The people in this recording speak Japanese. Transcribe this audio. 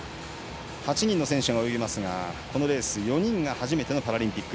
８人の選手が泳ぎますがこのレース４人が初めてのパラリンピック。